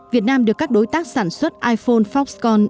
việt nam được các đối tác sản xuất iphone foxconn